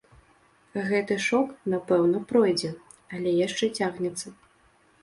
Гэты шок, напэўна, пройдзе, але яшчэ цягнецца.